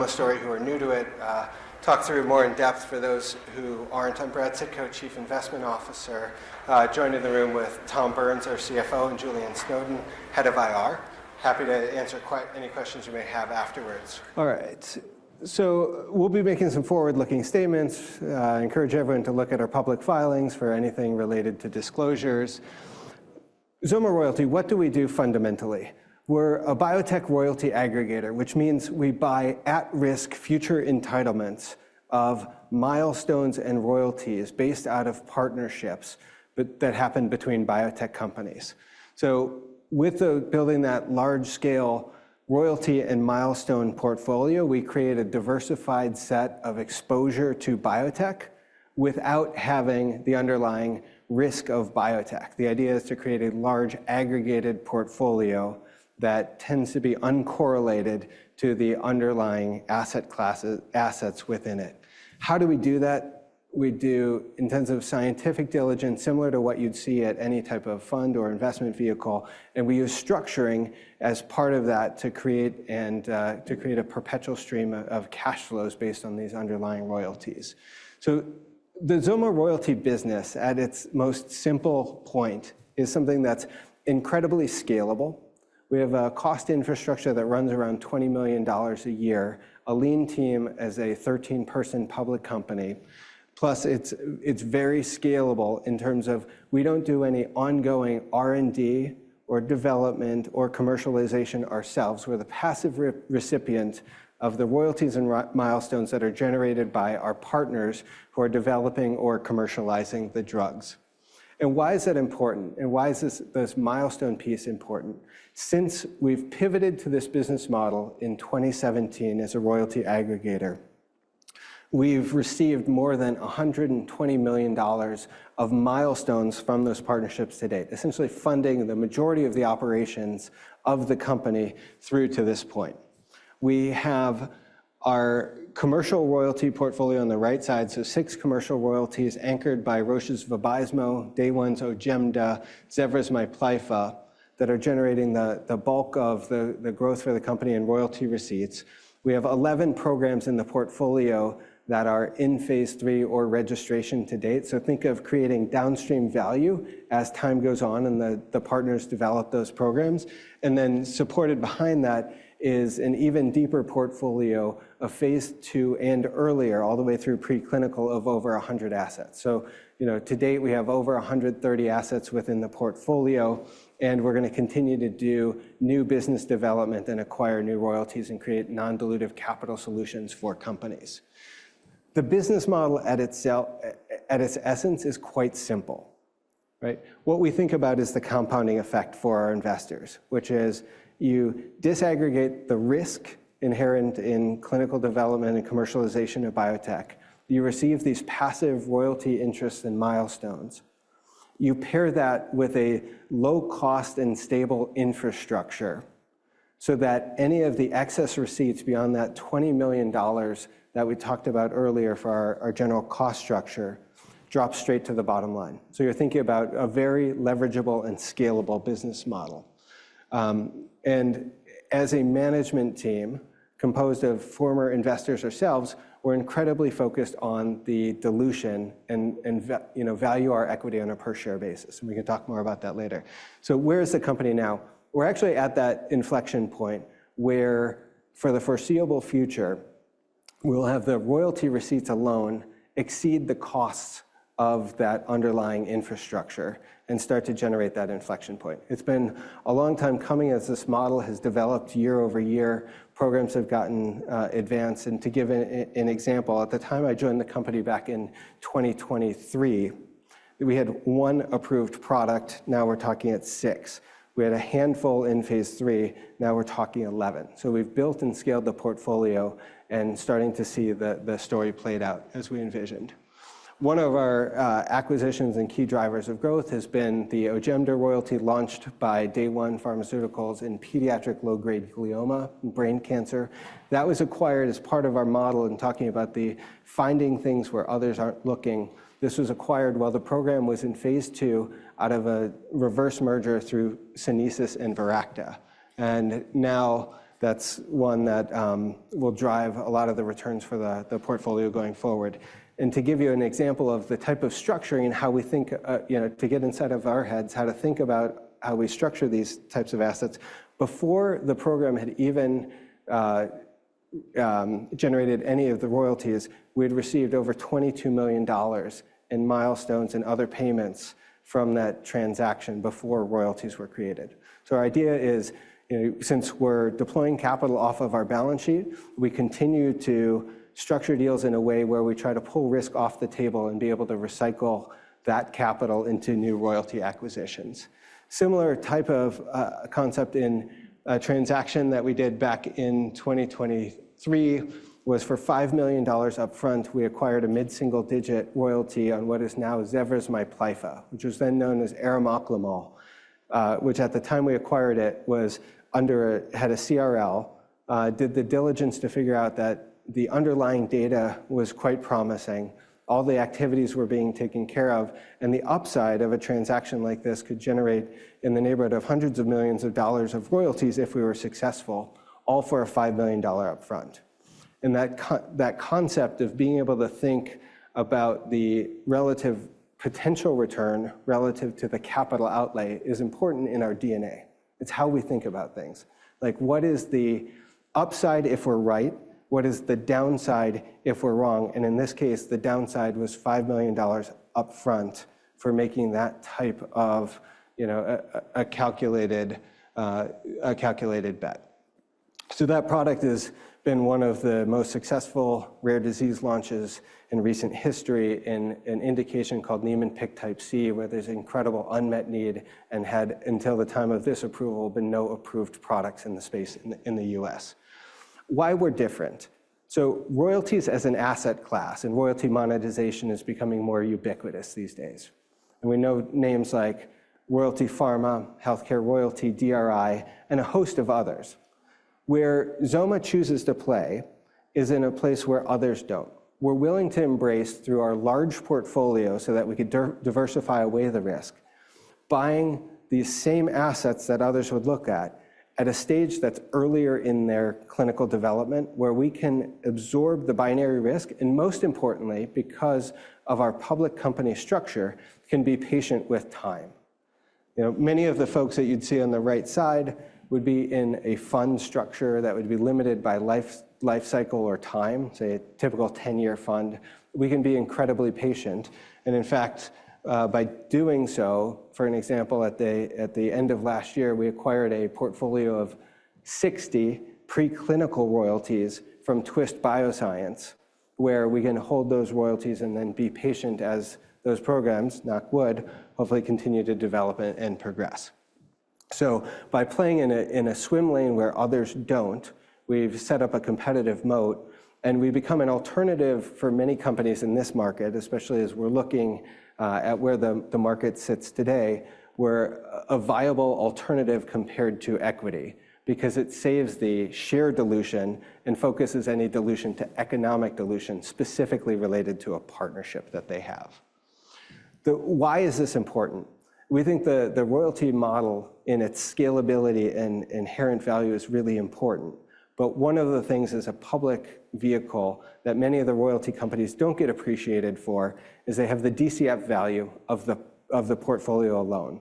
A story who are new to it. Talk through more in depth for those who aren't. I'm Brad Sitko, Chief Investment Officer. Joining the room with Tom Burns, our CFO, and Juliane Snowden, Head of IR. Happy to answer any questions you may have afterwards. All right. We'll be making some forward-looking statements. I encourage everyone to look at our public filings for anything related to disclosures. XOMA Royalty, what do we do fundamentally? We're a biotech royalty aggregator, which means we buy at-risk future entitlements of milestones and royalties based out of partnerships that happen between biotech companies. With building that large-scale royalty and milestone portfolio, we create a diversified set of exposure to biotech without having the underlying risk of biotech. The idea is to create a large aggregated portfolio that tends to be uncorrelated to the underlying asset class assets within it. How do we do that? We do intensive scientific diligence similar to what you'd see at any type of fund or investment vehicle. We use structuring as part of that to create a perpetual stream of cash flows based on these underlying royalties. The XOMA Royalty business, at its most simple point, is something that's incredibly scalable. We have a cost infrastructure that runs around $20 million a year, a lean team as a 13-person public company. Plus, it's very scalable in terms of we don't do any ongoing R&D or development or commercialization ourselves. We're the passive recipients of the royalties and milestones that are generated by our partners who are developing or commercializing the drugs. Why is that important? Why is this milestone piece important? Since we've pivoted to this business model in 2017 as a royalty aggregator, we've received more than $120 million of milestones from those partnerships to date, essentially funding the majority of the operations of the company through to this point. We have our commercial royalty portfolio on the right side, so six commercial royalties anchored by Roche's VABYSMO, Day One's OJEMDA, Zevra's MIPLYFFA that are generating the bulk of the growth for the company and royalty receipts. We have 11 programs in the portfolio that are in phase III or registration to date. Think of creating downstream value as time goes on and the partners develop those programs. Supported behind that is an even deeper portfolio of phase II and earlier, all the way through preclinical of over 100 assets. To date, we have over 130 assets within the portfolio. We're going to continue to do new business development and acquire new royalties and create non-dilutive capital solutions for companies. The business model at its essence is quite simple. What we think about is the compounding effect for our investors, which is you disaggregate the risk inherent in clinical development and commercialization of biotech. You receive these passive royalty interests and milestones. You pair that with a low-cost and stable infrastructure so that any of the excess receipts beyond that $20 million that we talked about earlier for our general cost structure drop straight to the bottom line. You are thinking about a very leverageable and scalable business model. As a management team composed of former investors ourselves, we're incredibly focused on the dilution and value our equity on a per-share basis. We can talk more about that later. Where is the company now? We're actually at that inflection point where for the foreseeable future, we'll have the royalty receipts alone exceed the costs of that underlying infrastructure and start to generate that inflection point. It's been a long time coming as this model has developed year over year. Programs have gotten advanced. To give an example, at the time I joined the company back in 2023, we had one approved product. Now we're talking at six. We had a handful in phase III. Now we're talking 11. We have built and scaled the portfolio and are starting to see the story played out as we envisioned. One of our acquisitions and key drivers of growth has been the OJEMDA royalty launched by Day One Pharmaceuticals in pediatric low-grade glioma and brain cancer. That was acquired as part of our model in talking about finding things where others aren't looking. This was acquired while the program was in phase II out of a reverse merger through Sunesis and Viracta. That's one that will drive a lot of the returns for the portfolio going forward. To give you an example of the type of structuring and how we think to get inside of our heads, how to think about how we structure these types of assets. Before the program had even generated any of the royalties, we had received over $22 million in milestones and other payments from that transaction before royalties were created. Our idea is, since we're deploying capital off of our balance sheet, we continue to structure deals in a way where we try to pull risk off the table and be able to recycle that capital into new royalty acquisitions. Similar type of concept in a transaction that we did back in 2023 was for $5 million upfront. We acquired a mid-single-digit royalty on what is now Zevra's MIPLYFFA, which was then known as arimoclomol, which at the time we acquired it had a CRL, did the diligence to figure out that the underlying data was quite promising, all the activities were being taken care of, and the upside of a transaction like this could generate in the neighborhood of hundreds of millions of dollars of royalties if we were successful, all for a $5 million upfront. That concept of being able to think about the relative potential return relative to the capital outlay is important in our DNA. It's how we think about things. Like what is the upside if we're right? What is the downside if we're wrong? In this case, the downside was $5 million upfront for making that type of a calculated bet. That product has been one of the most successful rare disease launches in recent history in an indication called Niemann-Pick Type C, where there's incredible unmet need and had until the time of this approval been no approved products in the space in the U.S. Why we're different? Royalties as an asset class and royalty monetization is becoming more ubiquitous these days. We know names like Royalty Pharma, Healthcare Royalty, DRI, and a host of others. Where XOMA chooses to play is in a place where others don't. We're willing to embrace through our large portfolio so that we could diversify away the risk, buying these same assets that others would look at at a stage that's earlier in their clinical development where we can absorb the binary risk. Most importantly, because of our public company structure, can be patient with time. Many of the folks that you'd see on the right side would be in a fund structure that would be limited by life cycle or time, say a typical 10-year fund. We can be incredibly patient. In fact, by doing so, for an example, at the end of last year, we acquired a portfolio of 60 preclinical royalties from Twist Bioscience, where we can hold those royalties and then be patient as those programs, knock wood, hopefully continue to develop and progress. By playing in a swim lane where others do not, we've set up a competitive moat. We become an alternative for many companies in this market, especially as we're looking at where the market sits today. We're a viable alternative compared to equity because it saves the share dilution and focuses any dilution to economic dilution specifically related to a partnership that they have. Why is this important? We think the royalty model in its scalability and inherent value is really important. One of the things as a public vehicle that many of the royalty companies do not get appreciated for is they have the DCF value of the portfolio alone.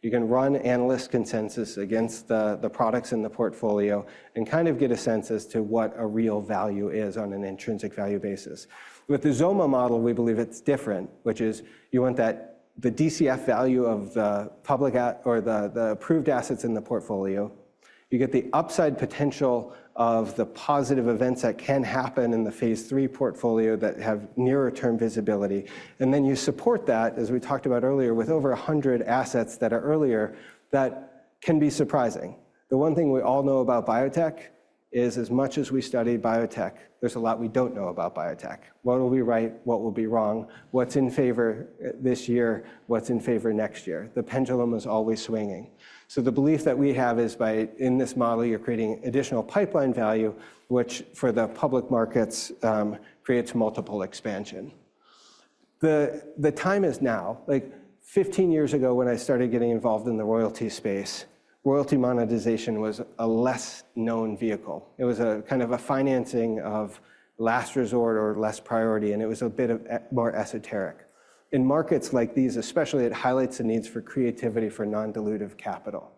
You can run analyst consensus against the products in the portfolio and kind of get a sense as to what a real value is on an intrinsic value basis. With the XOMA model, we believe it is different, which is you want the DCF value of the public or the approved assets in the portfolio. You get the upside potential of the positive events that can happen in the phase III portfolio that have nearer-term visibility. You support that, as we talked about earlier, with over 100 assets that are earlier that can be surprising. The one thing we all know about biotech is as much as we study biotech, there's a lot we don't know about biotech. What will be right? What will be wrong? What's in favor this year? What's in favor next year? The pendulum is always swinging. The belief that we have is by in this model, you're creating additional pipeline value, which for the public markets creates multiple expansion. The time is now. 15 years ago when I started getting involved in the royalty space, royalty monetization was a less known vehicle. It was a kind of a financing of last resort or less priority. It was a bit more esoteric. In markets like these, especially, it highlights the needs for creativity for non-dilutive capital.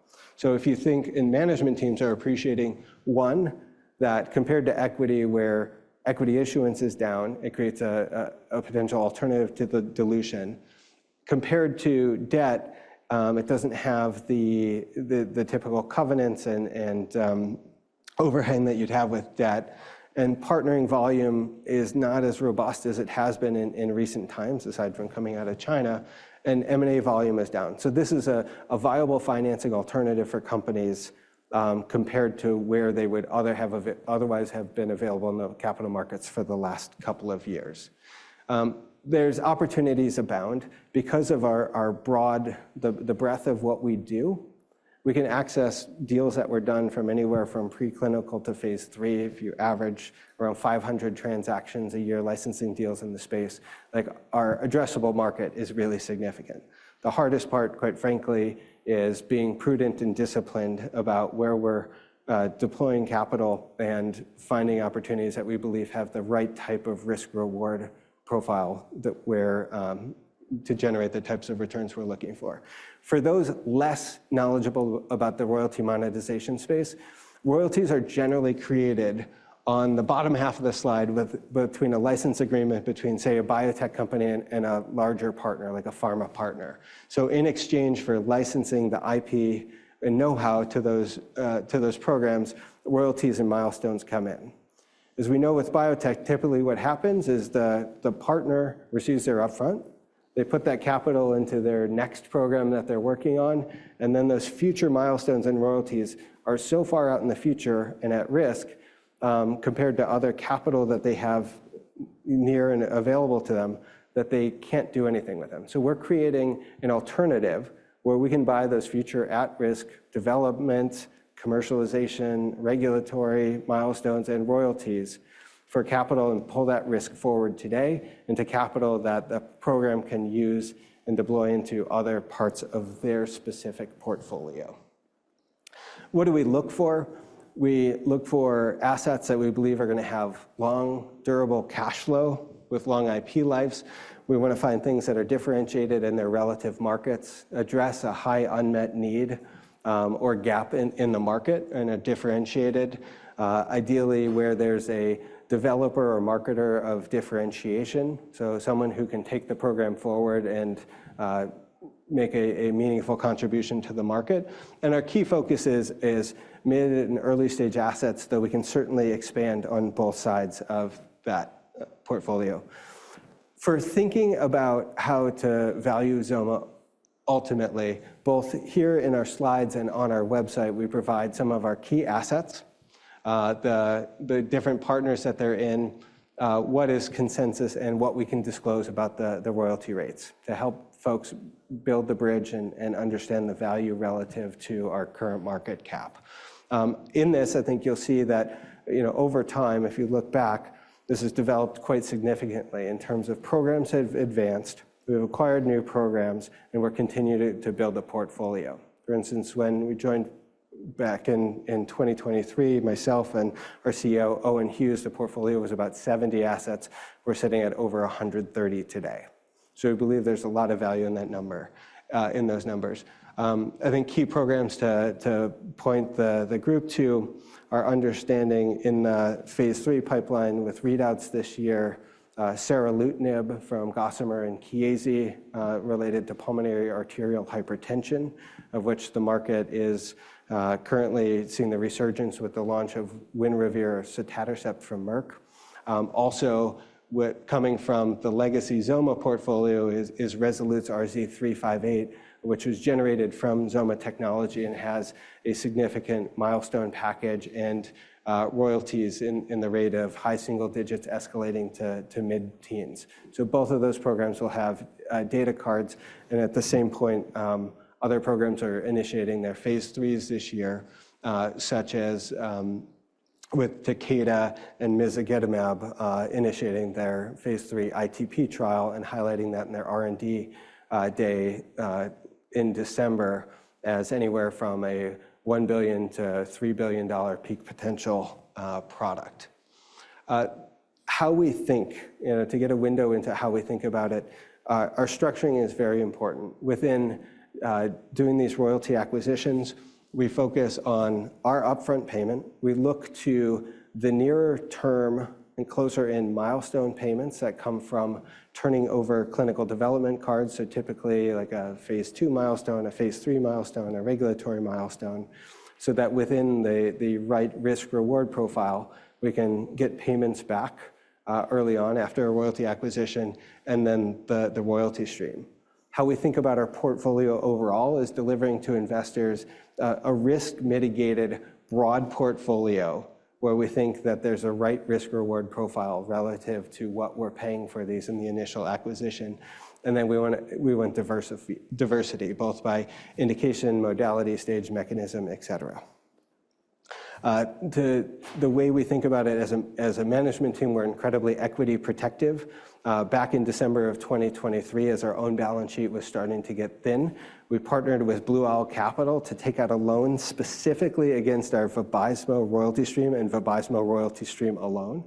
If you think in management teams are appreciating one that compared to equity where equity issuance is down, it creates a potential alternative to the dilution. Compared to debt, it does not have the typical covenants and overhang that you would have with debt. Partnering volume is not as robust as it has been in recent times, aside from coming out of China. M&A volume is down. This is a viable financing alternative for companies compared to where they would otherwise have been available in the capital markets for the last couple of years. There are opportunities abound. Because of the breadth of what we do, we can access deals that were done from anywhere from preclinical to phase III. If you average around 500 transactions a year, licensing deals in the space, our addressable market is really significant. The hardest part, quite frankly, is being prudent and disciplined about where we're deploying capital and finding opportunities that we believe have the right type of risk-reward profile to generate the types of returns we're looking for. For those less knowledgeable about the royalty monetization space, royalties are generally created on the bottom half of the slide between a license agreement between, say, a biotech company and a larger partner, like a pharma partner. In exchange for licensing the IP and know-how to those programs, royalties and milestones come in. As we know with biotech, typically what happens is the partner receives their upfront. They put that capital into their next program that they're working on. Those future milestones and royalties are so far out in the future and at risk compared to other capital that they have near and available to them that they can't do anything with them. We are creating an alternative where we can buy those future at-risk developments, commercialization, regulatory milestones, and royalties for capital and pull that risk forward today into capital that the program can use and deploy into other parts of their specific portfolio. What do we look for? We look for assets that we believe are going to have long, durable cash flow with long IP lives. We want to find things that are differentiated in their relative markets, address a high unmet need or gap in the market, and are differentiated, ideally where there's a developer or marketer of differentiation, so someone who can take the program forward and make a meaningful contribution to the market. Our key focus is mid and early-stage assets, though we can certainly expand on both sides of that portfolio. For thinking about how to value XOMA ultimately, both here in our slides and on our website, we provide some of our key assets, the different partners that they're in, what is consensus, and what we can disclose about the royalty rates to help folks build the bridge and understand the value relative to our current market cap. In this, I think you'll see that over time, if you look back, this has developed quite significantly in terms of programs that have advanced. We've acquired new programs, and we're continuing to build a portfolio. For instance, when we joined back in 2023, myself and our CEO, Owen Hughes, the portfolio was about 70 assets. We're sitting at over 130 today. We believe there's a lot of value in that number, in those numbers. I think key programs to point the group to are understanding in the phase III pipeline with readouts this year, seralutinib from Gossamer and Chiesi related to pulmonary arterial hypertension, of which the market is currently seeing the resurgence with the launch of WINREVAIR sotatercept from Merck. Also, coming from the legacy XOMA portfolio is Rezolute RZ358, which was generated from XOMA technology and has a significant milestone package and royalties in the rate of high single digits escalating to mid-teens. Both of those programs will have data cards. At the same point, other programs are initiating their phase IIIs this year, such as with Takeda and mezagitamab initiating their phase III ITP trial and highlighting that in their R&D day in December as anywhere from a $1 billion-$3 billion peak potential product. How we think, to get a window into how we think about it, our structuring is very important. Within doing these royalty acquisitions, we focus on our upfront payment. We look to the nearer term and closer in milestone payments that come from turning over clinical development cards, so typically like a phase II milestone, a phase III milestone, a regulatory milestone, so that within the right risk-reward profile, we can get payments back early on after a royalty acquisition and then the royalty stream. How we think about our portfolio overall is delivering to investors a risk-mitigated broad portfolio where we think that there's a right risk-reward profile relative to what we're paying for these in the initial acquisition. And then we want diversity, both by indication, modality, stage, mechanism, et cetera. The way we think about it as a management team, we're incredibly equity protective. Back in December of 2023, as our own balance sheet was starting to get thin, we partnered with Blue Owl Capital to take out a loan specifically against our VABYSMO royalty stream and VABYSMO royalty stream alone,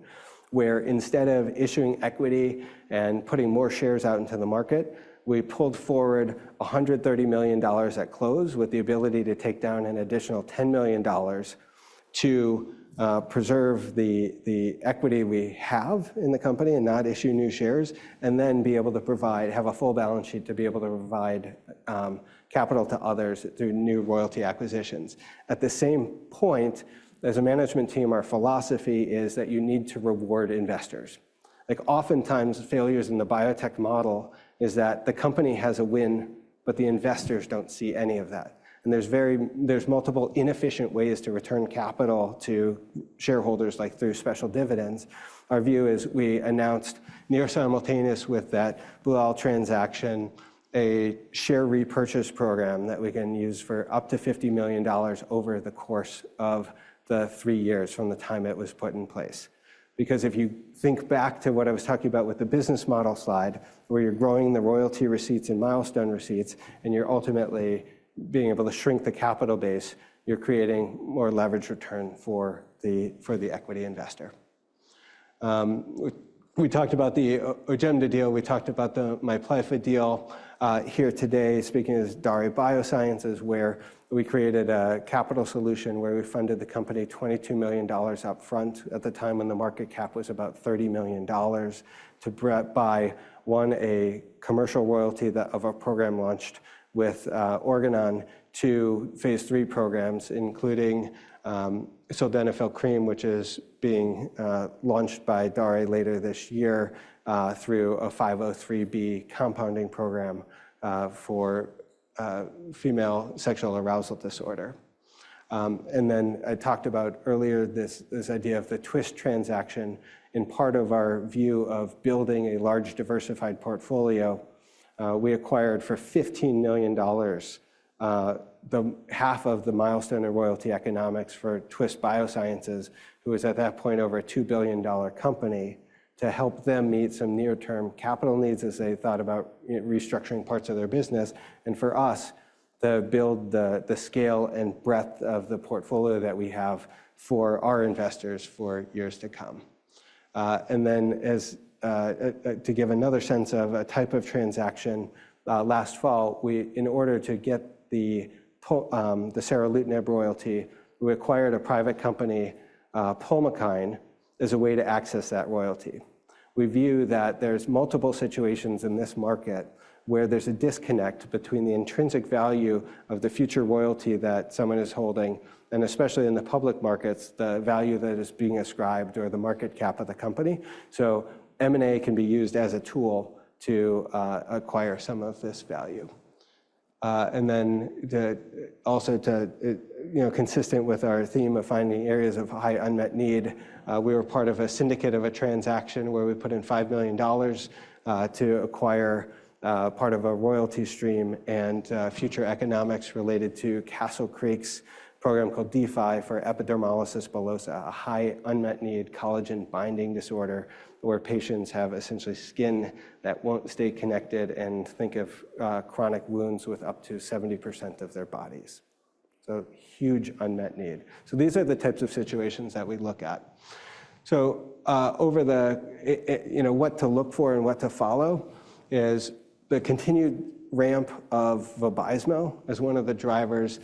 where instead of issuing equity and putting more shares out into the market, we pulled forward $130 million at close with the ability to take down an additional $10 million to preserve the equity we have in the company and not issue new shares, and then be able to provide, have a full balance sheet to be able to provide capital to others through new royalty acquisitions. At the same point, as a management team, our philosophy is that you need to reward investors. Oftentimes, failures in the biotech model is that the company has a win, but the investors don't see any of that. There are multiple inefficient ways to return capital to shareholders, like through special dividends. Our view is we announced, near simultaneous with that Blue Owl transaction, a share repurchase program that we can use for up to $50 million over the course of the three years from the time it was put in place. Because if you think back to what I was talking about with the business model slide, where you're growing the royalty receipts and milestone receipts, and you're ultimately being able to shrink the capital base, you're creating more leverage return for the equity investor. We talked about the OJEMDA deal. We talked about the MIPLYFFA deal here today, speaking as Daré Biosciences, where we created a capital solution where we funded the company $22 million upfront at the time when the market cap was about $30 million to buy one, a commercial royalty of a program launched with Organon, two phase III programs, including Sildenafil Cream, which is being launched by Daré later this year through a 503B compounding program for female sexual arousal disorder. I talked about earlier this idea of the Twist transaction. In part of our view of building a large diversified portfolio, we acquired for $15 million the half of the milestone and royalty economics for Twist Biosciences, who was at that point over a $2 billion company, to help them meet some near-term capital needs as they thought about restructuring parts of their business. For us, to build the scale and breadth of the portfolio that we have for our investors for years to come. To give another sense of a type of transaction, last fall, in order to get the seralutinib royalty, we acquired a private company, Pulmokine, as a way to access that royalty. We view that there's multiple situations in this market where there's a disconnect between the intrinsic value of the future royalty that someone is holding, and especially in the public markets, the value that is being ascribed or the market cap of the company. M&A can be used as a tool to acquire some of this value. Also consistent with our theme of finding areas of high unmet need, we were part of a syndicate of a transaction where we put in $5 million to acquire part of a royalty stream and future economics related to Castle Creek's program called D-Fi for epidermolysis bullosa, a high unmet need collagen binding disorder where patients have essentially skin that will not stay connected and think of chronic wounds with up to 70% of their bodies. Huge unmet need. These are the types of situations that we look at. What to look for and what to follow is the continued ramp of VABYSMO as one of the drivers.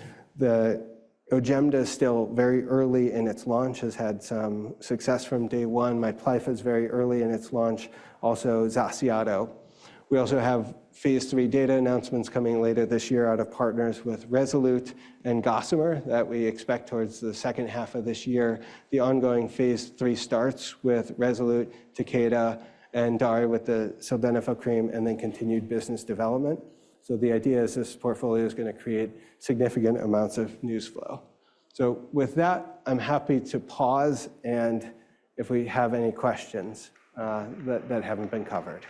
OJEMDA, still very early in its launch, has had some success from Day One. MIPLYFFA is very early in its launch. Also, XACIATO. We also have phase III data announcements coming later this year out of partners with Rezolute and Gossamer that we expect towards the second half of this year. The ongoing phase III starts with Rezolute, Takeda, and Daré with the Sildenafil Cream, and then continued business development. The idea is this portfolio is going to create significant amounts of news flow. With that, I'm happy to pause and if we have any questions that haven't been covered.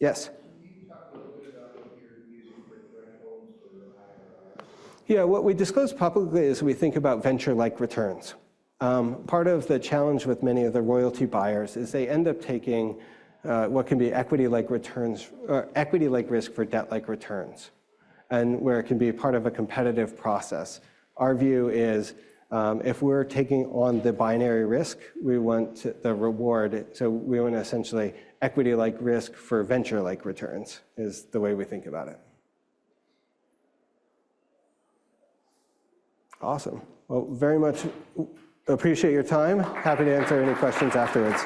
Yes? Can you talk a little bit about what you're using for thresholds or IRRs? Yeah, what we disclose publicly is we think about venture-like returns. Part of the challenge with many of the royalty buyers is they end up taking what can be equity-like returns or equity-like risk for debt-like returns, and where it can be part of a competitive process. Our view is if we're taking on the binary risk, we want the reward. So we want essentially equity-like risk for venture-like returns is the way we think about it. Awesome. Very much appreciate your time. Happy to answer any questions afterwards.